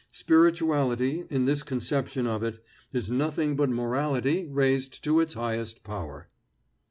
Spirituality, in this conception of it, is nothing but morality raised to its highest power.